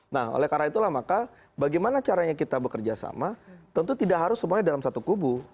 nah oleh karena itulah maka bagaimana caranya kita bekerja sama tentu tidak harus semuanya dalam satu kubu